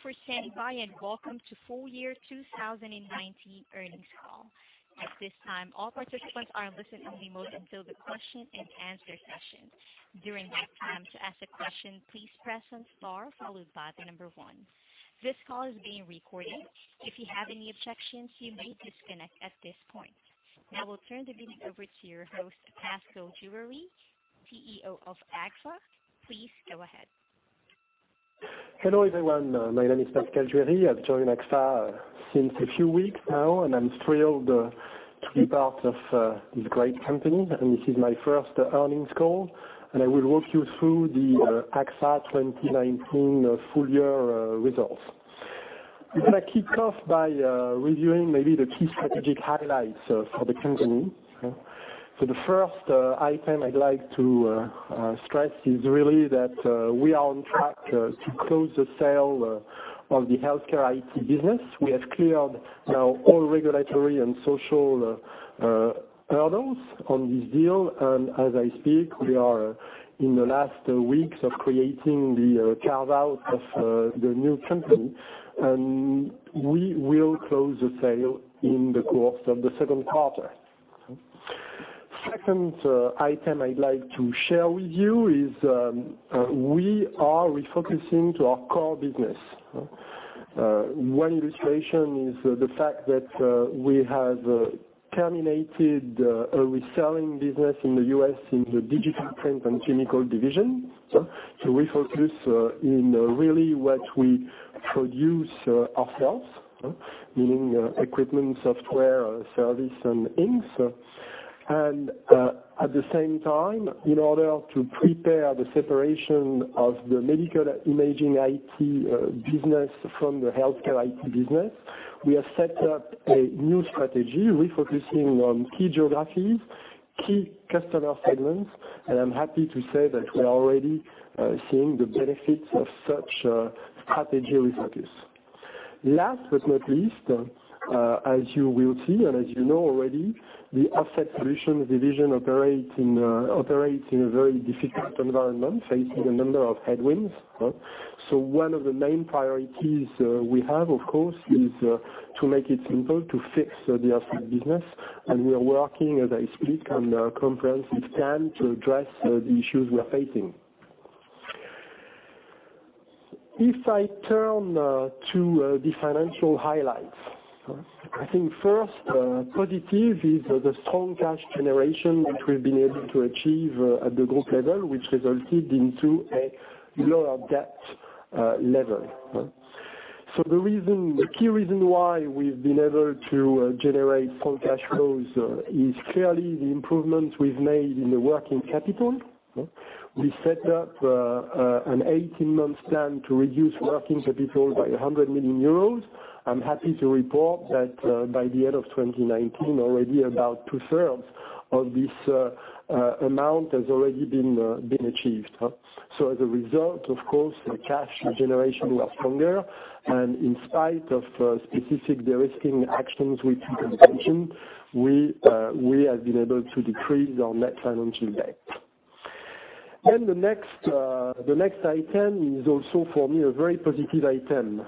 Thank you for standing by, and welcome to full-year 2019 earnings call. At this time, all participants are in listen only mode until the question-and-answer session. During that time, to ask a question, please press star followed by the number one. This call is being recorded. If you have any objections, you may disconnect at this point. I will turn the meeting over to your host, Pascal Juéry, CEO of Agfa-Gevaert. Please go ahead. Hello, everyone. My name is Pascal Juéry. I've joined Agfa-Gevaert since a few weeks now. I'm thrilled to be part of this great company. This is my first earnings call. I will walk you through the Agfa-Gevaert 2019 full-year results. I'm going to kick off by reviewing maybe the key strategic highlights for the company. The first item I'd like to stress is really that we are on track to close the sale of the HealthCare IT business. We have cleared now all regulatory and social hurdles on this deal. As I speak, we are in the last weeks of creating the carve-out of the new company. We will close the sale in the course of the second quarter. Second item I'd like to share with you is we are refocusing to our core business. One illustration is the fact that we have terminated a reselling business in the U.S. in the Digital Print & Chemicals division. We focus in really what we produce ourselves, meaning equipment, software, service, and inks. At the same time, in order to prepare the separation of the medical imaging IT business from the HealthCare IT business, we have set up a new strategy refocusing on key geographies, key customer segments, and I'm happy to say that we are already seeing the benefits of such a strategy refocus. Last but not least, as you will see, and as you know already, the Offset Solutions division operates in a very difficult environment, facing a number of headwinds. One of the main priorities we have, of course, is to make it simple to fix the offset business, and we are working, as I speak, on a comprehensive plan to address the issues we are facing. If I turn to the financial highlights. I think first positive is the strong cash generation that we've been able to achieve at the group level, which resulted into a lower debt level. The key reason why we've been able to generate strong cash flows is clearly the improvements we've made in the working capital. We set up an 18-month plan to reduce working capital by 100 million euros. I'm happy to report that by the end of 2019, already about two-thirds of this amount has already been achieved. As a result, of course, the cash generation was stronger, and in spite of specific de-risking actions we took in pension, we have been able to decrease our net financial debt. The next item is also, for me, a very positive item.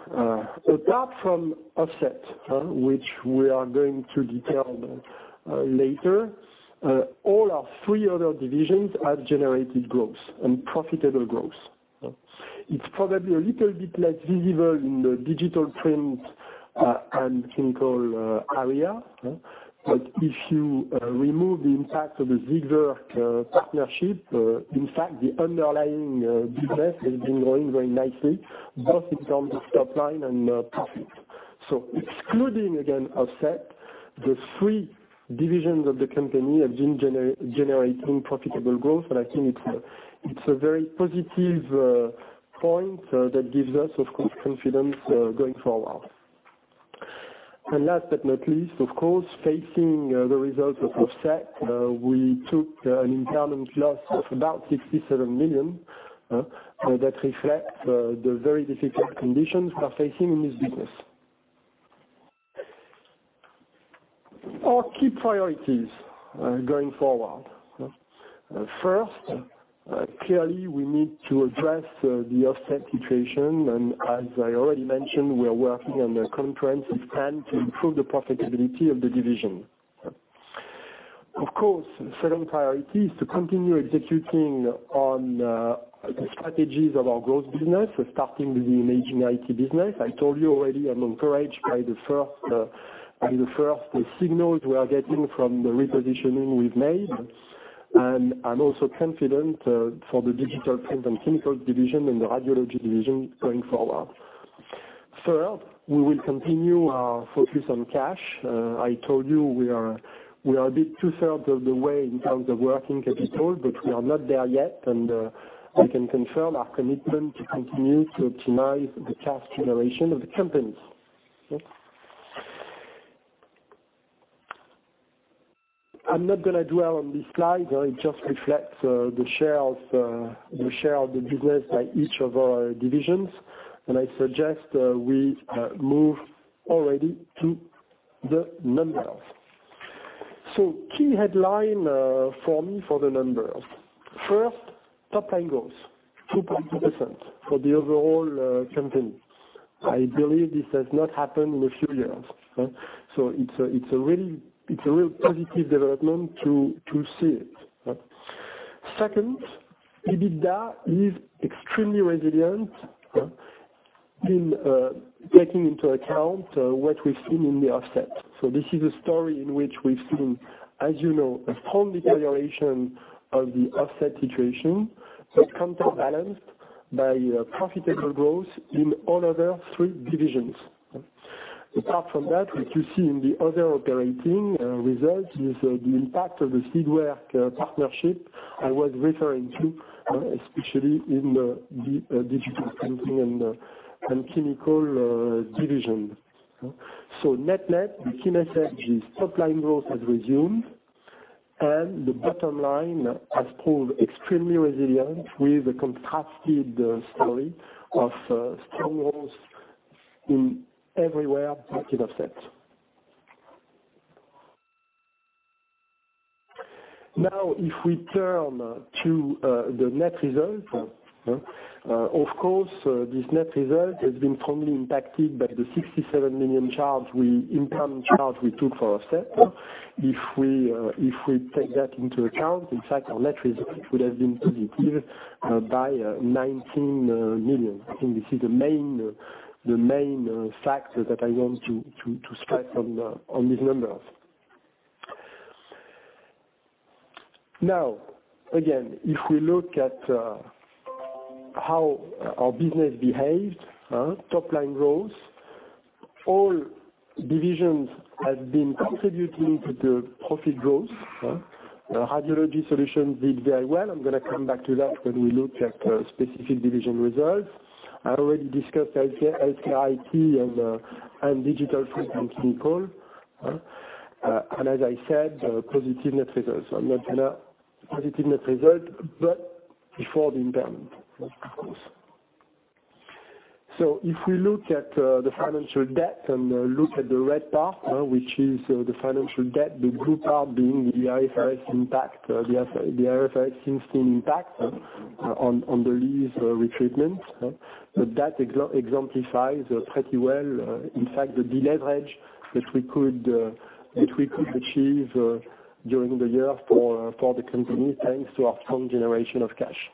Apart from Offset, which we are going to detail later, all our three other divisions have generated growth and profitable growth. It's probably a little bit less visible in the Digital Print & Chemicals area. If you remove the impact of the Siegwerk partnership, in fact, the underlying business has been growing very nicely, both in terms of top line and profit. Excluding, again, Offset, the three divisions of the company have been generating profitable growth, and I think it's a very positive point that gives us, of course, confidence going forward. Last but not least, of course, facing the results of Offset Solutions, we took an impairment loss of about 67 million. That reflects the very difficult conditions we are facing in this business. Our key priorities going forward. First, clearly, we need to address the Offset Solutions situation, and as I already mentioned, we are working on a comprehensive plan to improve the profitability of the division. Of course, second priority is to continue executing on the strategies of our growth business. Starting with the Imaging IT business. I told you already I'm encouraged by the first signals we are getting from the repositioning we've made. I'm also confident for the Digital Print & Chemicals division and the Radiology Solutions division going forward. Third, we will continue our focus on cash. I told you we are a bit two-thirds of the way in terms of working capital, but we are not there yet, and we can confirm our commitment to continue to optimize the cash generation of the company. I'm not going to dwell on this slide. It just reflects the share of the business by each of our divisions, and I suggest we move already to the numbers. Key headline for me for the numbers. First, top line growth, 2.2% for the overall company. I believe this has not happened in a few years. It's a real positive development to see it. Second, EBITDA is extremely resilient in taking into account what we've seen in the offset. This is a story in which we've seen, as you know, a strong deterioration of the offset situation, but counterbalanced by profitable growth in all other three divisions. Apart from that, what you see in the other operating results is the impact of the Siegwerk partnership I was referring to, especially in the Digital Print & Chemicals division. Net/net, the key message is top line growth has resumed, and the bottom line has proved extremely resilient with a contrasted story of strong growth in everywhere but in offset. If we turn to the net result, of course, this net result has been strongly impacted by the 67 million impairment charge we took for offset. If we take that into account, in fact, our net result would have been positive by 19 million. I think this is the main factor that I want to stress on these numbers. Again, if we look at how our business behaved, top line growth, all divisions have been contributing to the profit growth. Radiology Solutions did very well. I am going to come back to that when we look at specific division results. I already discussed HealthCare IT and Digital Print & Chemicals. As I said, positive net results. Positive net result, but before the impairment, of course. If we look at the financial debt and look at the red part, which is the financial debt, the blue part being the IFRS 16 impact on the lease retreatment. That exemplifies pretty well, in fact, the deleverage that we could achieve during the year for the company, thanks to our strong generation of cash.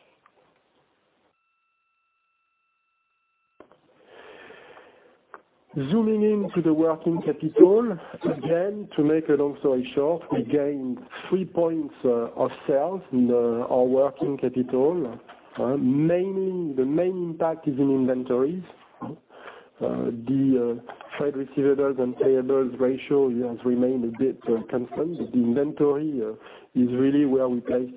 Zooming into the working capital, again, to make a long story short, we gained three points of sales in our working capital. The main impact is in inventories. The trade receivables and payables ratio has remained a bit constant, the inventory is really where we placed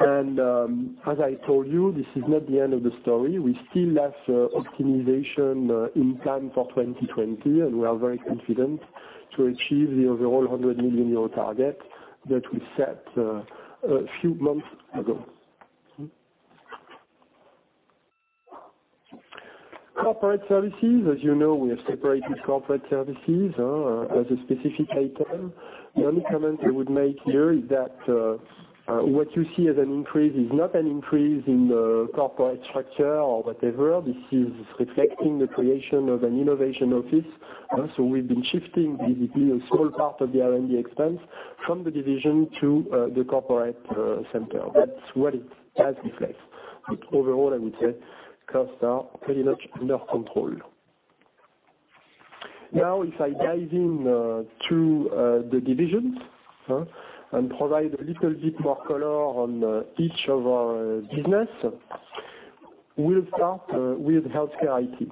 our efforts. As I told you, this is not the end of the story. We still have optimization in plan for 2020, and we are very confident to achieve the overall 100 million euro target that we set a few months ago. Corporate services, as you know, we have separated corporate services as a specific item. The only comment I would make here is that what you see as an increase is not an increase in corporate structure or whatever. This is reflecting the creation of an innovation office. We've been shifting basically a small part of the R&D expense from the division to the corporate center. That's what it does reflect. Overall, I would say costs are pretty much under control. If I dive in to the divisions and provide a little bit more color on each of our business. We'll start with HealthCare IT.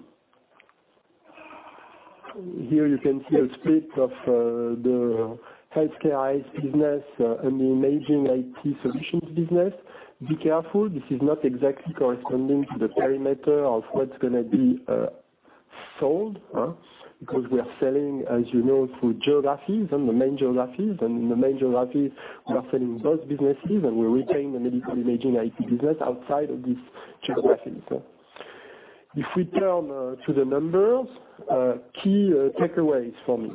Here you can see a split of the HealthCare IT business and the Imaging IT solutions business. Be careful, this is not exactly corresponding to the perimeter of what's going to be sold because we are selling, as you know, through geographies and the main geographies. In the main geographies, we are selling both businesses, and we retain the medical imaging IT business outside of these geographies. If we turn to the numbers, key takeaways for me.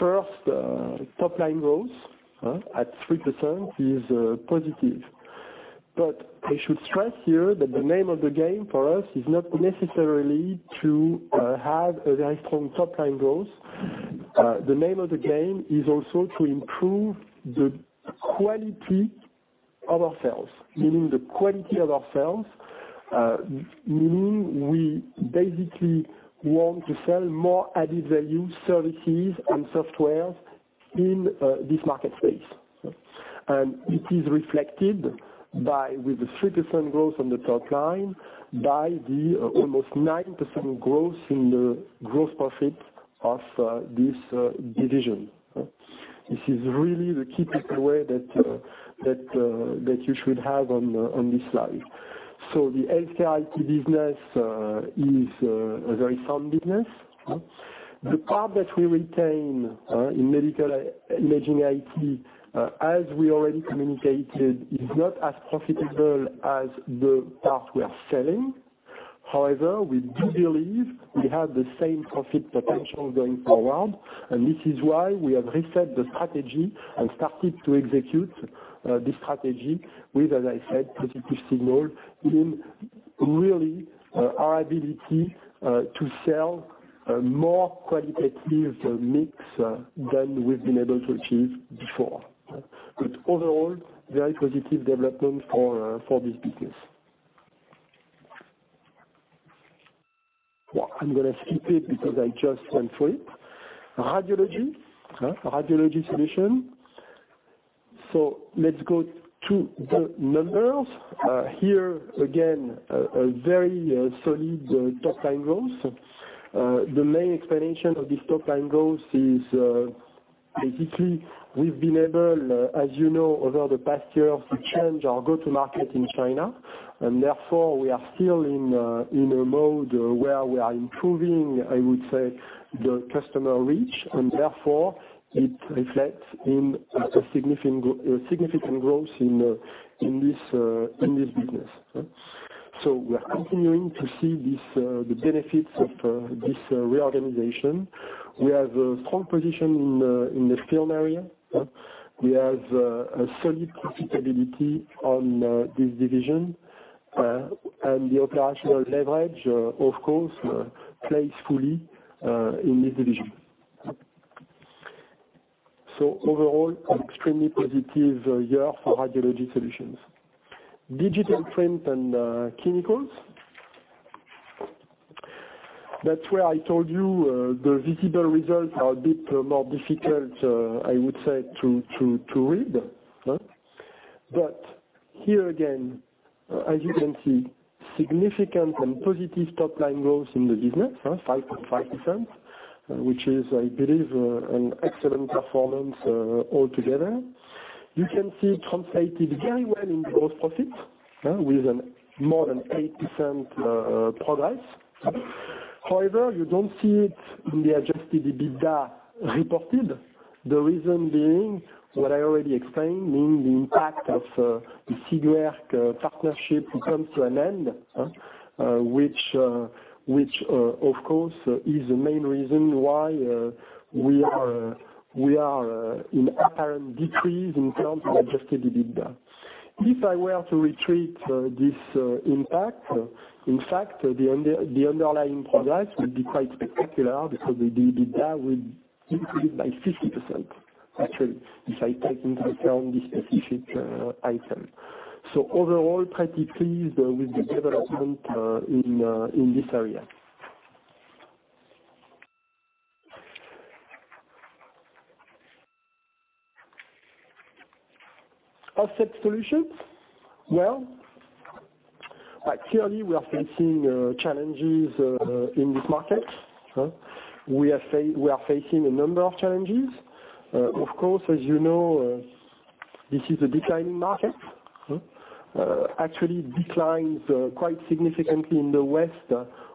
First, top line growth at 3% is positive. I should stress here that the name of the game for us is not necessarily to have a very strong top-line growth. The name of the game is also to improve the quality of our sales, meaning we basically want to sell more added-value services and software in this market space. It is reflected with the 3% growth on the top line by the almost 9% growth in the gross profit of this division. This is really the key takeaway that you should have on this slide. The HealthCare IT business is a very sound business. The part that we retain in medical imaging IT, as we already communicated, is not as profitable as the part we are selling. However, we do believe we have the same profit potential going forward, and this is why we have reset the strategy and started to execute this strategy with, as I said, positive signal in really our ability to sell a more qualitative mix than we've been able to achieve before. Overall, very positive development for this business. I'm going to skip it because I just went through it. Radiology Solutions. Let's go to the numbers. Here again, a very solid top-line growth. The main explanation of this top-line growth is, basically, we've been able, as you know, over the past year, to change our go-to-market in China, and therefore, we are still in a mode where we are improving, I would say, the customer reach, and therefore, it reflects in a significant growth in this business. We are continuing to see the benefits of this reorganization. We have a strong position in the film area. We have a solid profitability on this division, and the operational leverage, of course, plays fully in this division. Overall, extremely positive year for Radiology Solutions. Digital Print & Chemicals. That's where I told you the visible results are a bit more difficult, I would say, to read. Here again, as you can see, significant and positive top-line growth in the business, 5%, which is, I believe, an excellent performance altogether. You can see it translated very well in gross profit, with more than 8% progress. You don't see it in the adjusted EBITDA reported. The reason being what I already explained, being the impact of the Siegwerk partnership, who comes to an end, which, of course, is the main reason why we are in apparent decrease in terms of adjusted EBITDA. If I were to retreat this impact, in fact, the underlying progress would be quite spectacular because the EBITDA will increase by 50%, actually, if I take into account this specific item. Overall, quite pleased with the development in this area. Offset Solutions. Well, clearly we are facing challenges in this market. We are facing a number of challenges. Of course, as you know, this is a declining market. Actually declines quite significantly in the West,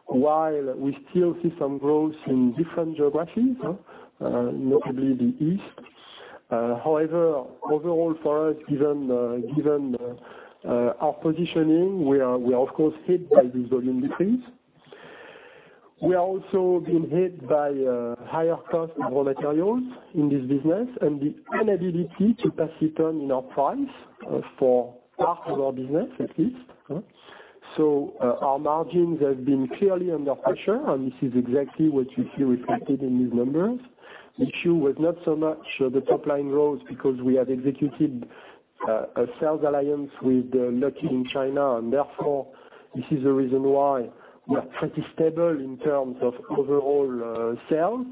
while we still see some growth in different geographies, notably the East. However, overall for us, given our positioning, we are of course hit by this volume decrease. We are also being hit by higher cost of raw materials in this business and the inability to pass it on in our price for half of our business, at least. Our margins have been clearly under pressure, and this is exactly what you see reflected in these numbers. The issue was not so much the top-line growth because we had executed a sales alliance with Lucky in China, therefore, this is the reason why we are pretty stable in terms of overall sales.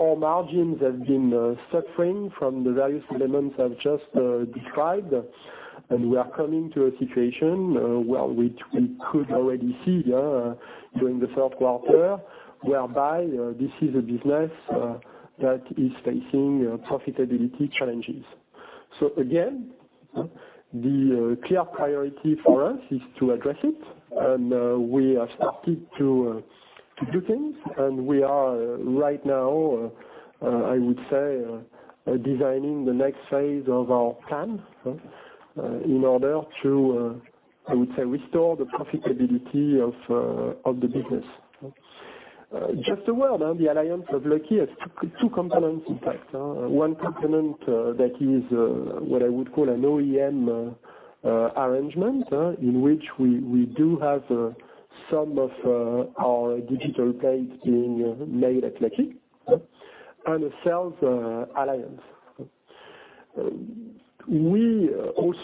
Our margins have been suffering from the various elements I've just described, and we are coming to a situation where we could already see during the third quarter, whereby this is a business that is facing profitability challenges. Again, the clear priority for us is to address it, and we have started to do things, and we are right now, I would say, designing the next phase of our plan in order to, I would say, restore the profitability of the business. Just a word on the alliance of Lucky has two components, in fact. One component that is what I would call an OEM arrangement, in which we do have some of our digital plates being made at Lucky, and a sales alliance.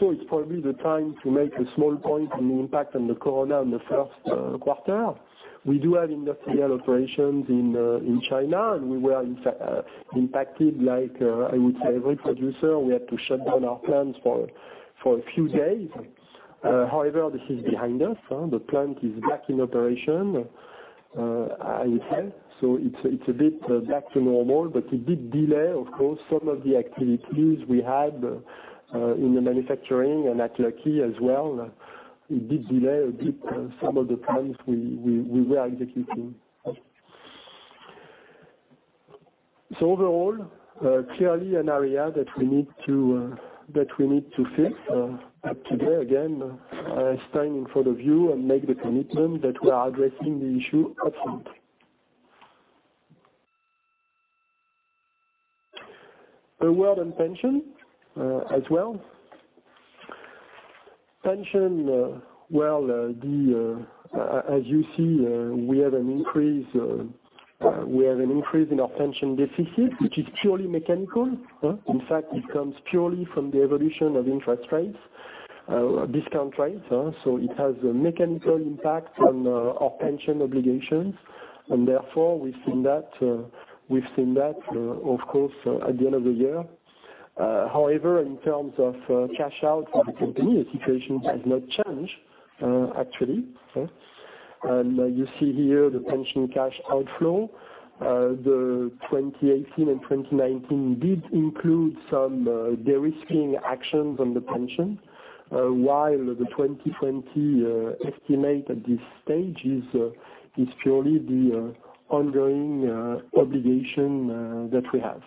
It's probably the time to make a small point on the impact on the Coronavirus in the first quarter. We do have industrial operations in China. We were impacted like, I would say, every producer. We had to shut down our plants for a few days. However, this is behind us. The plant is back in operation. It's a bit back to normal, but it did delay, of course, some of the activities we had in the manufacturing and at Lucky as well. It did delay a bit some of the plans we were executing. Overall, clearly an area that we need to fix up today. Again, I stand in front of you and make the commitment that we are addressing the issue upfront. A word on pension as well. Pension, as you see, we have an increase in our pension deficit, which is purely mechanical. In fact, it comes purely from the evolution of interest rates, discount rates. It has a mechanical impact on our pension obligations, and therefore, we've seen that, of course, at the end of the year. However, in terms of cash out for the company, the situation has not changed actually. You see here the pension cash outflow. The 2018 and 2019 did include some de-risking actions on the pension, while the 2020 estimate at this stage is purely the ongoing obligation that we have.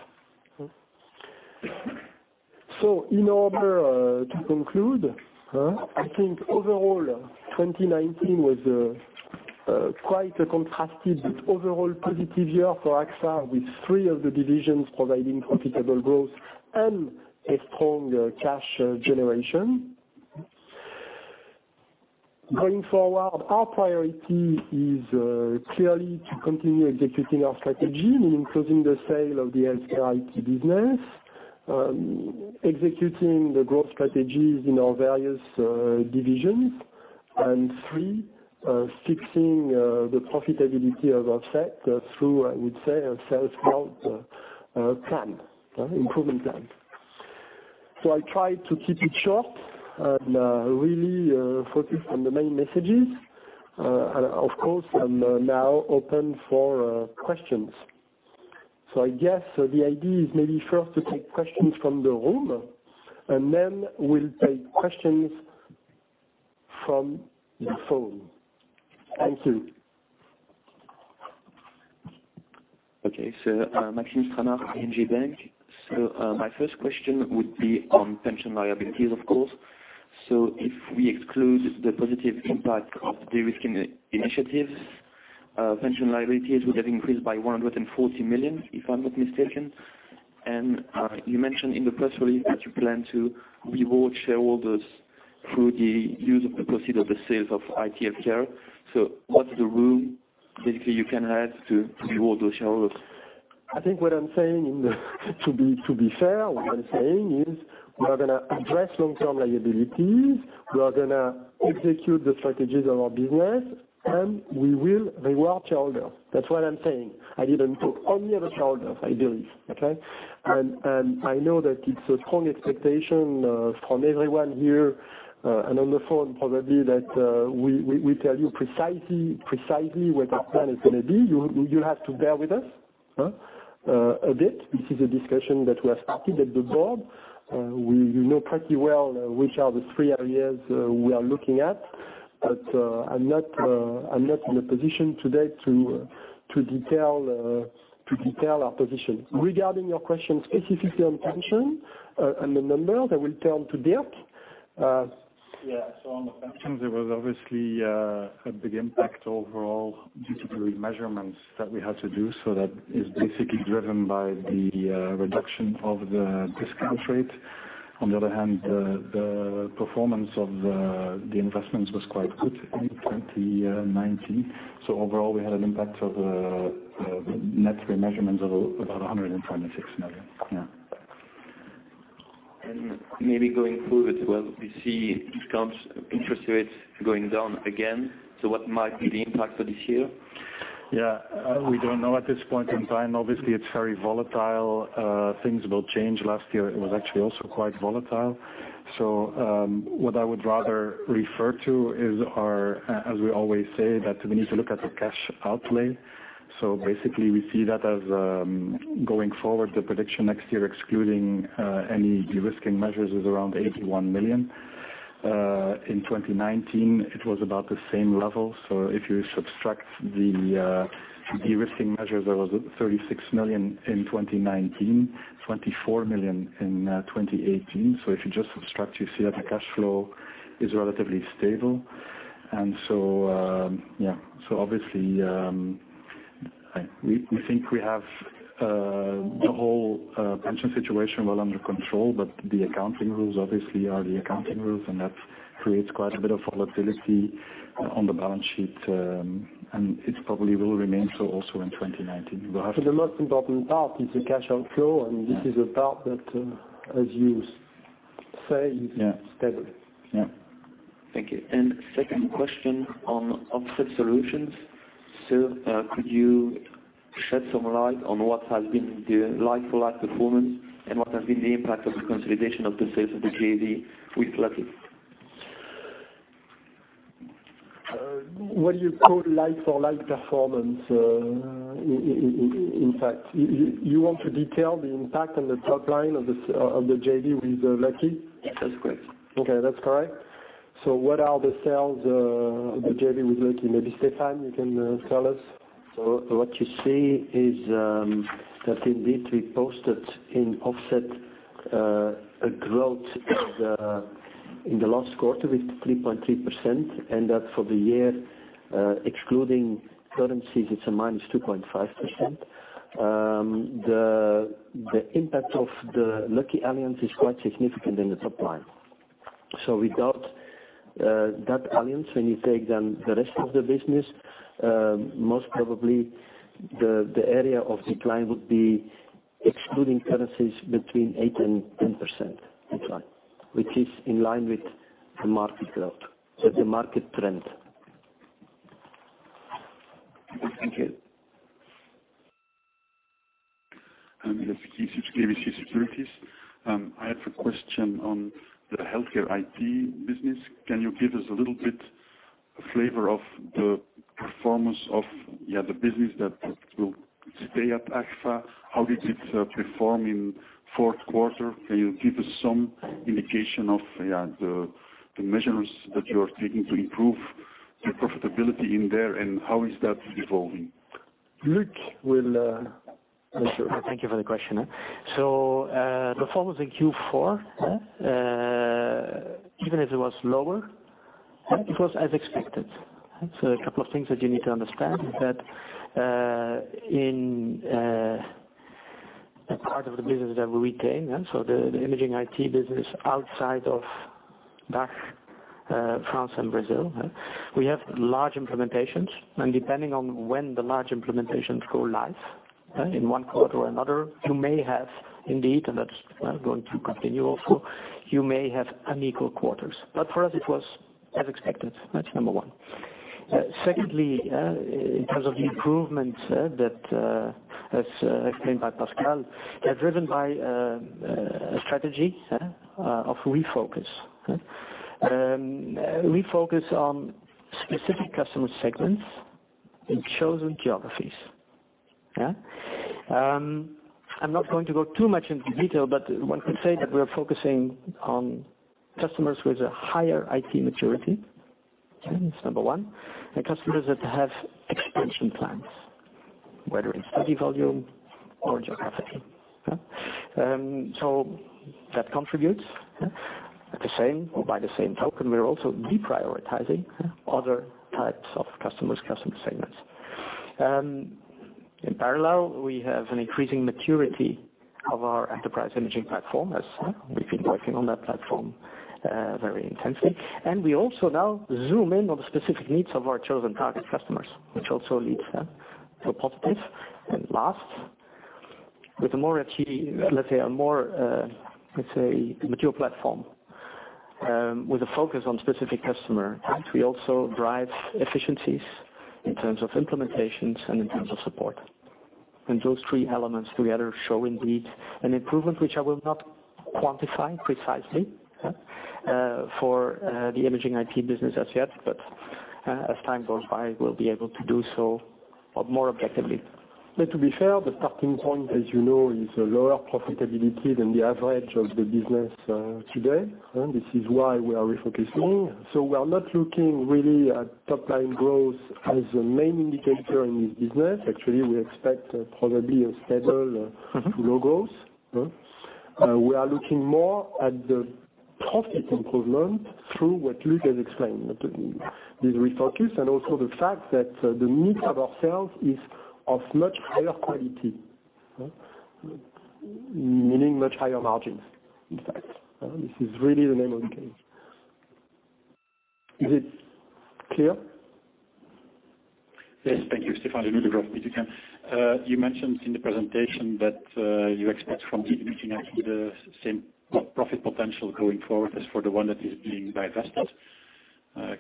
In order to conclude, I think overall, 2019 was quite a contrasted but overall positive year for Agfa, with three of the divisions providing profitable growth and a strong cash generation. Going forward, our priority is clearly to continue executing our strategy, meaning closing the sale of the HealthCare IT business, executing the growth strategies in our various divisions. Three, fixing the profitability of our sector through, I would say, a sales cost-out plan, improvement plan. I tried to keep it short and really focus on the main messages. Of course, I'm now open for questions. I guess the idea is maybe first to take questions from the room, and then we'll take questions from the phone. Thank you. Okay. Maxime Stranart, ING Bank. My first question would be on pension liabilities, of course. If we exclude the positive impact of de-risking initiatives, pension liabilities would have increased by 140 million, if I'm not mistaken. You mentioned in the press release that you plan to reward shareholders through the use of the proceed of the sales of HealthCare IT. What's the room basically you can have to reward those shareholders? I think what I'm saying, to be fair, what I'm saying is we are going to address long-term liabilities. We are going to execute the strategies of our business, and we will reward shareholders. That's what I'm saying. I didn't talk only of the shareholders, I believe. Okay? I know that it's a strong expectation from everyone here, and on the phone probably, that we tell you precisely what that plan is going to be. You have to bear with us a bit. This is a discussion that we have started at the board. You know pretty well which are the three areas we are looking at, but I'm not in a position today to detail our position. Regarding your question specifically on pension and the number, I will turn to Dirk. On the pension, there was obviously a big impact overall due to the measurements that we had to do. That is basically driven by the reduction of the discount rate. On the other hand, the performance of the investments was quite good in 2019. Overall, we had an impact of net remeasurements of about 126 million. Maybe going forward, well, we see discount interest rates going down again. What might be the impact for this year? Yeah. We don't know at this point in time. Obviously, it's very volatile. Things will change. Last year, it was actually also quite volatile. What I would rather refer to is, as we always say, that we need to look at the cash outlay. Basically, we see that as going forward, the prediction next year, excluding any de-risking measures, is around 81 million. In 2019, it was about the same level. If you subtract the de-risking measures, there was 36 million in 2019, 24 million in 2018. If you just subtract, you see that the cash flow is relatively stable. Obviously, we think we have the whole pension situation well under control. The accounting rules obviously are the accounting rules, and that creates quite a bit of volatility on the balance sheet. It probably will remain so also in 2019. The most important part is the cash outflow, and this is a part that, as you say, is stable. Yeah. Thank you. Second question on Offset Solutions. Could you shed some light on what has been the like-for-like performance and what has been the impact of the consolidation of the sales of the JV with Lucky? What do you call like-for-like performance, in fact? You want to detail the impact on the top line of the JV with Lucky? That's correct. Okay. That's correct? What are the sales, the JV with Lucky? Maybe Stéphane, you can tell us. What you see is that indeed we posted in Offset a growth in the last quarter with 3.3%, and that for the year, excluding currencies, it's a -2.5%. The impact of the Lucky alliance is quite significant in the top line. Without that alliance, when you take then the rest of the business, most probably the area of decline would be excluding currencies between 8% and 10% decline, which is in line with the market growth. The market trend. Thank you. Guy Sips from KBC Securities. I have a question on the HealthCare IT business. Can you give us a little bit flavor of the performance of the business that will stay at Agfa-Gevaert? How did it perform in fourth quarter? Can you give us some indication of the measures that you are taking to improve the profitability in there, and how is that evolving? Luc will. Thank you for the question. The performance in Q4, even if it was lower, it was as expected. A couple of things that you need to understand is that in a part of the business that we retain, so the Imaging IT business outside of DACH, France and Brazil, we have large implementations, and depending on when the large implementations go live in one quarter or another, you may have indeed, and that's going to continue also, you may have unequal quarters. For us it was as expected. That's number one. Secondly, in terms of the improvements that, as explained by Pascal, driven by a strategy of refocus. Refocus on specific customer segments in chosen geographies. I'm not going to go too much into detail, but one could say that we are focusing on customers with a higher IT maturity. That's number one. Customers that have expansion plans, whether in study volume or geographically. That contributes. By the same token, we're also deprioritizing other types of customers, customer segments. In parallel, we have an increasing maturity of our Enterprise Imaging platform as we've been working on that platform very intensely. We also now zoom in on the specific needs of our chosen target customers, which also leads to a positive. Last, with a more, let's say, a more mature platform, with a focus on specific customer, we also drive efficiencies in terms of implementations and in terms of support. Those three elements together show indeed an improvement, which I will not quantify precisely for the Imaging IT business as yet, but as time goes by, we'll be able to do so more objectively. To be fair, the starting point, as you know, is a lower profitability than the average of the business today. This is why we are refocusing. We are not looking really at top line growth as a main indicator in this business. Actually, we expect probably a stable to low growth. We are looking more at the profit improvement through what Luc has explained. This refocus and also the fact that the mix of our sales is of much higher quality, meaning much higher margins, in fact. This is really the name of the game. Is it clear? Yes. Thank you, Stéphane. You mentioned in the presentation that you expect from the Imaging IT the same profit potential going forward as for the one that is being divested.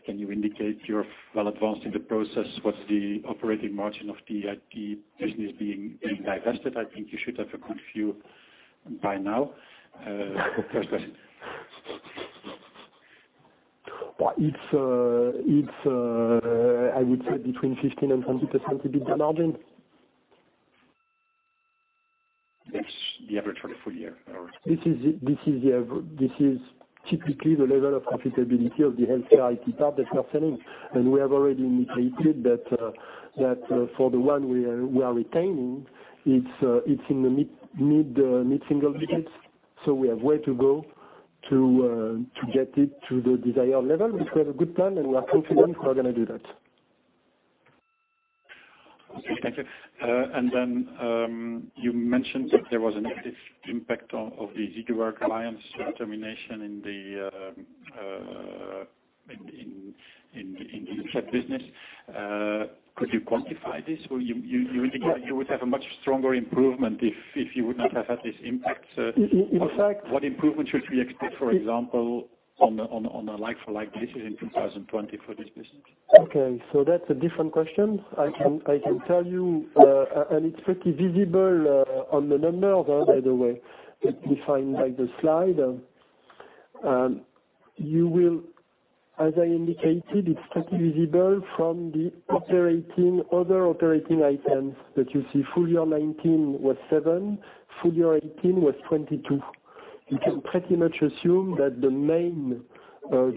Can you indicate you're well advanced in the process? What's the operating margin of the IT business being divested? I think you should have a good view by now. It's, I would say, between 15% and 20% EBITA margin. That's the average for the full-year? This is typically the level of profitability of the HealthCare IT part that we are selling, and we have already indicated that for the one we are retaining, it's in the mid-single digits. We have way to go to get it to the desired level, which we have a good plan. We are confident we are going to do that. Okay, thank you. You mentioned that there was a negative impact of the Siegwerk Health alliance termination in the said business. Could you quantify this? You would have a much stronger improvement if you would not have had this impact. What improvement should we expect, for example, on a like for like basis in 2020 for this business? Okay, that's a different question. I can tell you, it's pretty visible on the number, by the way, defined by the slide. As I indicated, it's pretty visible from the other operating items that you see full-year 2019 was 7, full-year 2018 was 22. You can pretty much assume that the main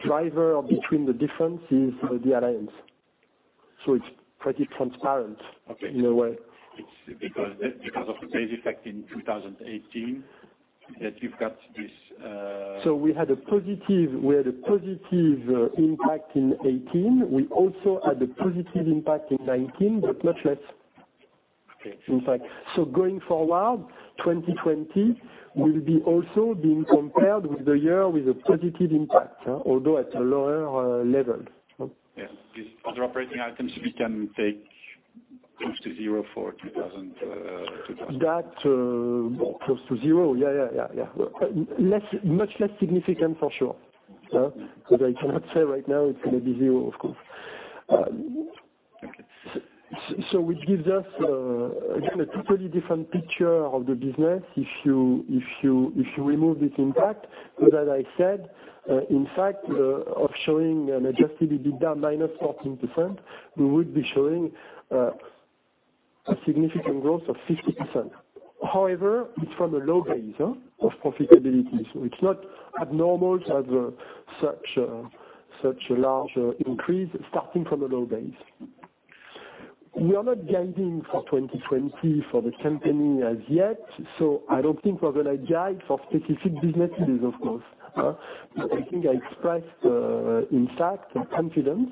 driver between the difference is the alliance. It's pretty transparent in a way. It's because of the base effect in 2018 that you've got this. We had a positive impact in 2018. We also had a positive impact in 2019, but much less. In fact. Going forward, 2020 will be also being compared with the year with a positive impact, although at a lower level. Yes. These other operating items, we can take close to zero for 2021. That close to zero. Yeah. Much less significant, for sure. I cannot say right now it's going to be zero, of course. Which gives us, again, a totally different picture of the business. If you remove this impact, as I said, in fact, of showing an adjusted EBITDA -14%, we would be showing a significant growth of 50%. However, it's from a low base of profitability, so it's not abnormal to have such a large increase starting from a low base. We are not guiding for 2020 for the company as yet, so I don't think we're going to guide for specific business days, of course. I think I expressed, in fact, confidence.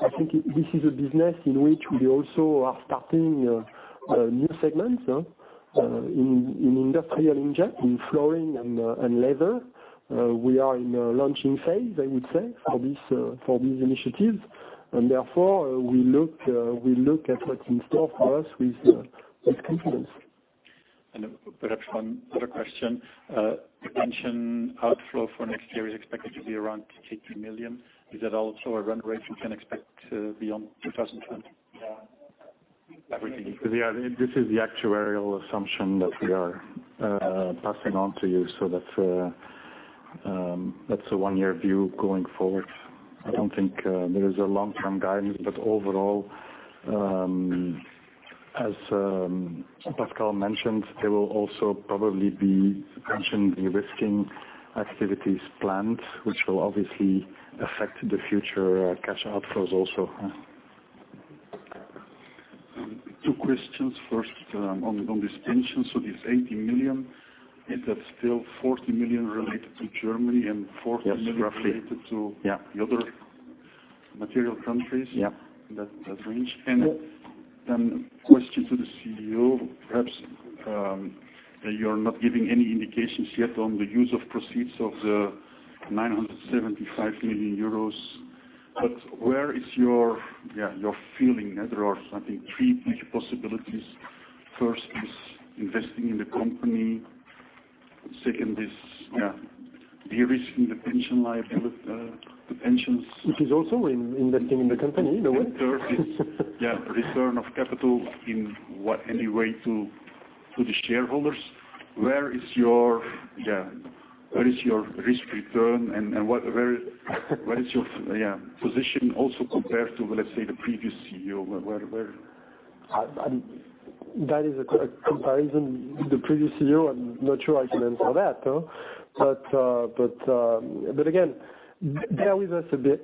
I think this is a business in which we also are starting new segments. In industrial inkjet, in flooring and leather, we are in a launching phase, I would say, for these initiatives. Therefore, we look at what's in store for us with confidence. Perhaps one other question. Pension outflow for next year is expected to be around 83 million. Is that also a run rate we can expect beyond 2020? This is the actuarial assumption that we are passing on to you. That's a one-year view going forward. I don't think there is a long-term guidance, overall, as Pascal mentioned, there will also probably be pension de-risking activities planned, which will obviously affect the future cash outflows also. Two questions. First, on this pension. This 80 million, is that still 40 million related to Germany and 40 million? The other material countries? That range. A question to the CEO, perhaps. You're not giving any indications yet on the use of proceeds of the 975 million euros. Where is your feeling? There are, I think, three big possibilities. First is investing in the company. Second is de-risking the pension life with the pensions. Which is also investing in the company in a way. Third is return of capital in any way to the shareholders. Where is your risk return and where is your position also compared to, let's say, the previous CEO? That is a comparison with the previous CEO. I'm not sure I can answer that. Again, bear with us a bit.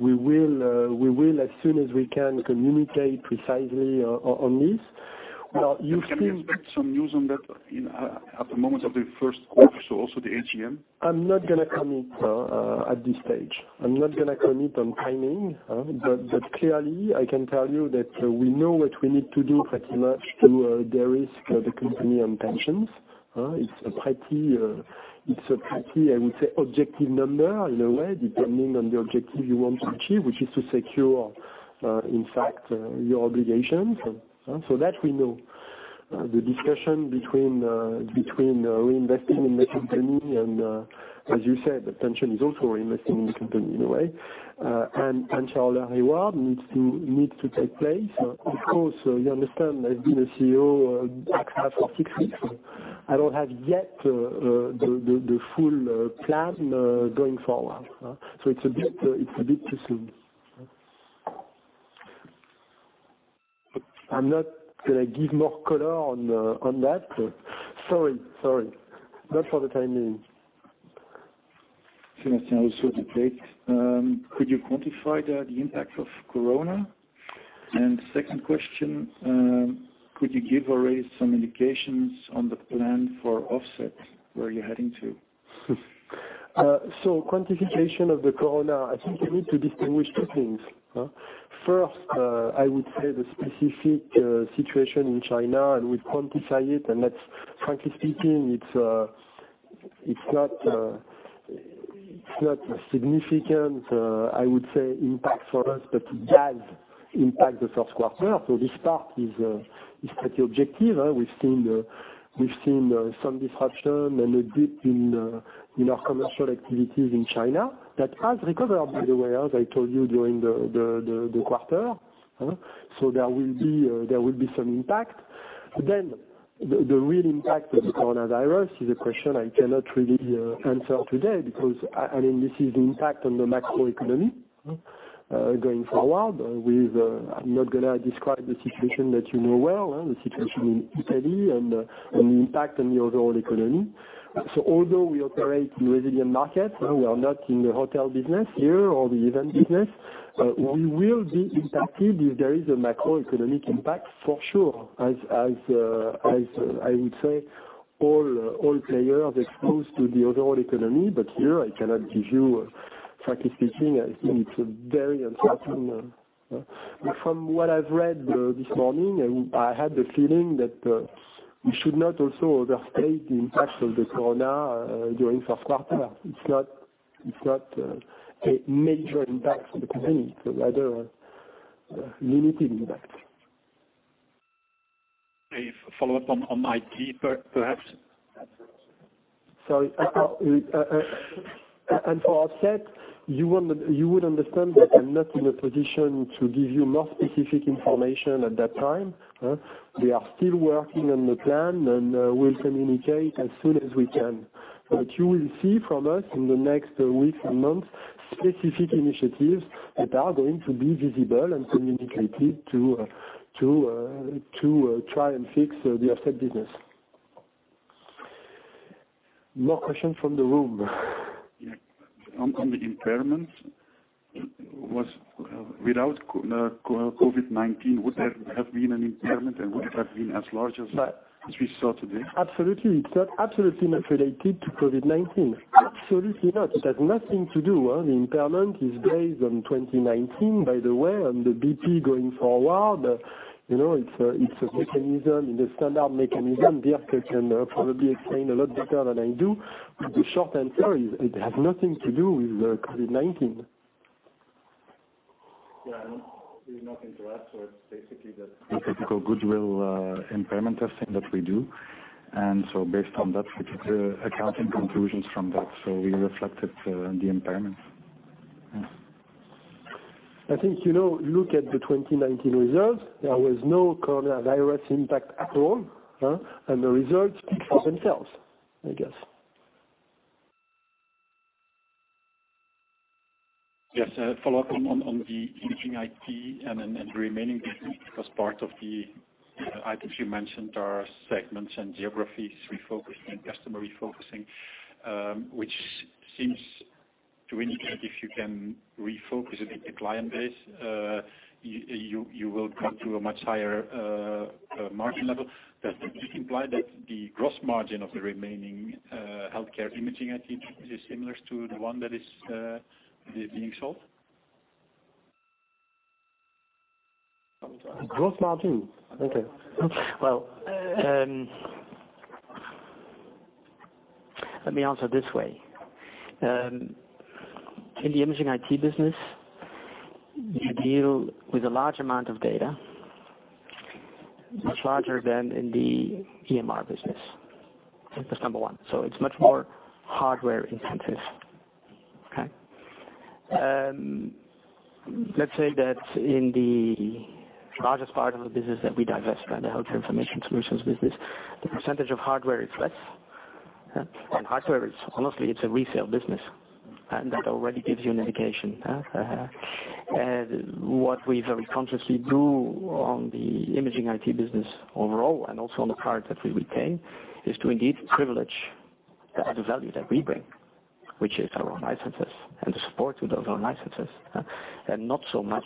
We will, as soon as we can, communicate precisely on this. Can we expect some news on that at the moment of the first quarter, so also the AGM? I'm not going to commit at this stage. I'm not going to commit on timing. Clearly, I can tell you that we know what we need to do pretty much to de-risk the company on pensions. It's a pretty, I would say, objective number in a way, depending on the objective you want to achieve, which is to secure, in fact, your obligations. That we know. The discussion between reinvesting in the company and, as you said, the pension is also reinvesting in the company in a way. Shareholder reward needs to take place. Of course, you understand, I've been a CEO at Agfa for six weeks. I don't have yet the full plan going forward. It's a bit too soon. I'm not going to give more color on that. Sorry. Not for the time being. Sebastian, also to take. Could you quantify the impact of Corona? Second question, could you give already some indications on the plan for Offset, where you're heading to? Quantification of the Corona, I think you need to distinguish two things. First, I would say the specific situation in China, and we quantify it, and frankly speaking, it's not a significant, I would say, impact for us. It does impact the first quarter. This part is pretty objective. We've seen some disruption and a dip in our commercial activities in China. That has recovered, by the way, as I told you during the quarter. There will be some impact. The real impact of the Coronavirus is a question I cannot really answer today because this is the impact on the macro economy. Going forward, I'm not going to describe the situation that you know well, the situation in Italy and the impact on the overall economy. Although we operate in resilient markets, we are not in the hotel business here or the event business. We will be impacted if there is a macroeconomic impact, for sure, as I would say all players exposed to the overall economy. Here I cannot give you frank speaking. I think it's very uncertain. From what I've read this morning, I had the feeling that we should not also overstate the impact of the Coronavirus during first quarter. It's not a major impact on the company. It's a rather limited impact. A follow-up on IT perhaps. Sorry. For offset, you would understand that I'm not in a position to give you more specific information at that time. We are still working on the plan, and we'll communicate as soon as we can. You will see from us in the next week and month, specific initiatives that are going to be visible and communicated to try and fix the offset business. More questions from the room. On the impairment, without COVID-19, would there have been an impairment and would it have been as large as what we saw today? Absolutely. It's not absolutely not related to COVID-19. Absolutely not. It has nothing to do. The impairment is based on 2019, by the way, and the BP going forward. It's a mechanism, the standard mechanism. Dirk can probably explain a lot better than I do. The short answer is it has nothing to do with COVID-19. Yeah, there's nothing to add. It's basically the typical goodwill impairment testing that we do. Based on that, we took accounting conclusions from that. We reflected the impairments. I think, look at the 2019 results. There was no Coronavirus impact at all, and the results speak for themselves, I guess. Just a follow-up on the Imaging IT and the remaining business, because part of the items you mentioned are segments and geographies refocusing, customer refocusing, which seems to indicate if you can refocus a bit the client base, you will come to a much higher margin level. Does that imply that the gross margin of the remaining HealthCare Imaging IT is similar to the one that is being sold? Gross margin. Okay. Well, let me answer this way. In the Imaging IT business, you deal with a large amount of data, much larger than in the EMR business. That's number one. It's much more hardware intensive. Okay. Let's say that in the largest part of the business that we divest by the HealthCare Information Solutions business, the percentage of hardware is less. Hardware is honestly, it's a resale business, and that already gives you an indication. What we very consciously do on the Imaging IT business overall, and also on the part that we retain, is to indeed privilege the added value that we bring. Which is our own licenses and the support with those own licenses. Not so much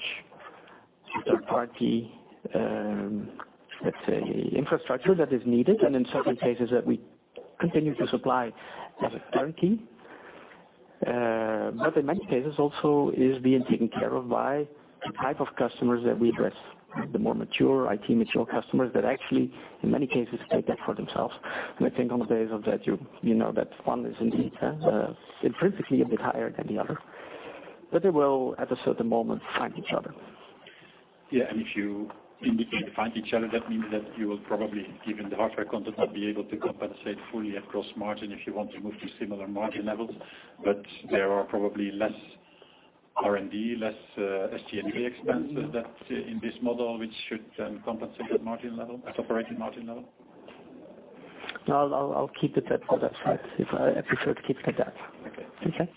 third party, let's say, infrastructure that is needed, and in certain cases that we continue to supply as a guarantee. In many cases also is being taken care of by the type of customers that we address, the more mature IT mature customers that actually, in many cases, take that for themselves. I think on the basis of that, you know that one is indeed intrinsically a bit higher than the other, but they will at a certain moment find each other. Yeah. If you indicate find each other, that means that you will probably, given the hardware content, not be able to compensate fully at gross margin if you want to move to similar margin levels. There are probably less R&D, less SG&A expenses that in this model, which should then compensate that margin level, that operating margin level. I'll keep it at that. If I should keep it at that.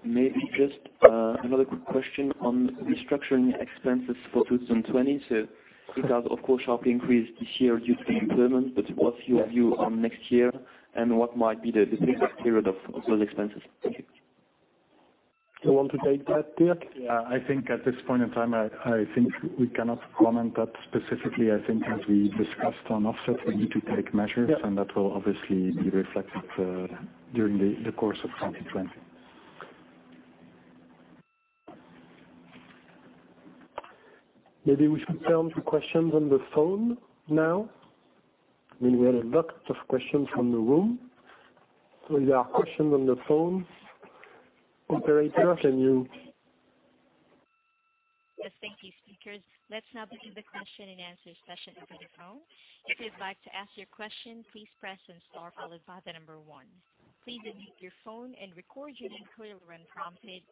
Okay. Maybe just another quick question on restructuring expenses for 2020. It has, of course, sharply increased this year due to the impairment. What's your view on next year and what might be the peak of period of those expenses? Thank you. You want to take that, Dirk? Yeah, I think at this point in time, I think we cannot comment that specifically. I think as we discussed on offset, we need to take measures, and that will obviously be reflected during the course of 2020. Maybe we should turn to questions on the phone now. We had a lot of questions from the room. If there are questions on the phone. Operator, can you Yes, thank you, speakers. Let's now begin the question-and-answer session over the phone. If you'd like to ask your question, please press star followed by the number one. Please unmute your phone and record your name clearly when prompted.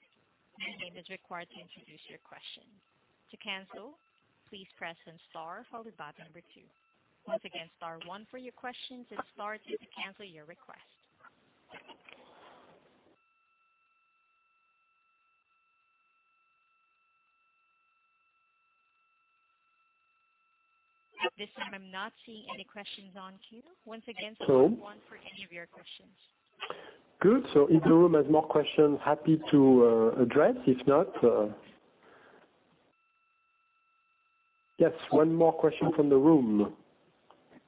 Your name is required to introduce your question. To cancel, please press star followed by the number two. Once again, star one for your questions and star two to cancel your request. At this time, I'm not seeing any questions on queue. Once again, star one for any of your questions. Good. If the room has more questions, happy to address. If not, Yes, one more question from the room.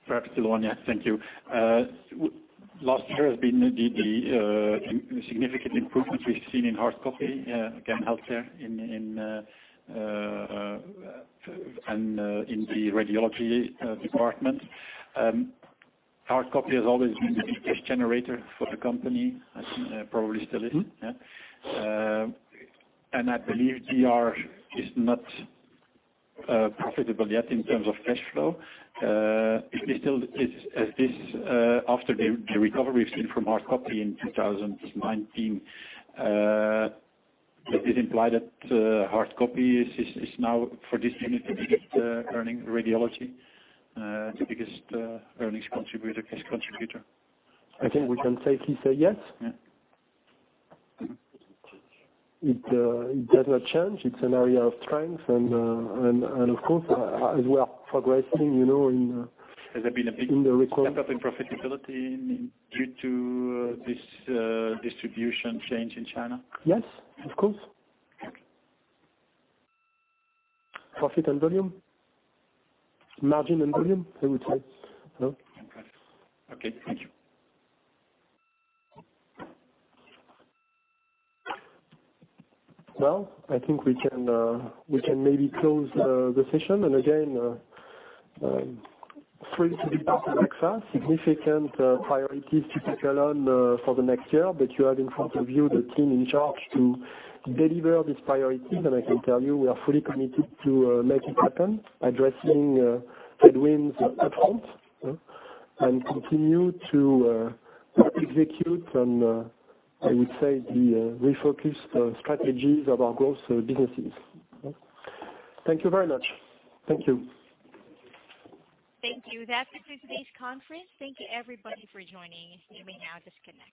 Fab Siloania. Thank you. Last year has been the significant improvement we've seen in hardcopy, again, HealthCare and in the Radiology department. Hardcopy has always been the biggest generator for the company, probably still is. I believe DR is not profitable yet in terms of cash flow. After the recovery we've seen from hardcopy in 2019, does this imply that hardcopy is now, for this unit, the biggest earning radiology, the biggest earnings contributor, cash contributor? I think we can safely say yes. It does not change. It's an area of strength and of course, as we are progressing in the recovery. Has there been a big step up in profitability due to this distribution change in China? Yes, of course. Profit and volume, margin and volume, I would say. Okay. Thank you. Well, I think we can maybe close the session. Again, free to depart Agfa-Gevaert, significant priorities to take along for the next year. You have in front of you the team in charge to deliver these priorities. I can tell you, we are fully committed to make it happen, addressing headwinds upfront, and continue to execute on, I would say, the refocused strategies of our growth businesses. Thank you very much. Thank you. Thank you. That concludes today's conference. Thank you everybody for joining. You may now disconnect.